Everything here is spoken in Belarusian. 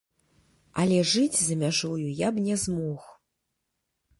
Але жыць за мяжою я б не змог.